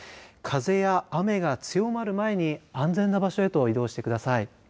風や雨が強まる前に安全な場所へと移動してください。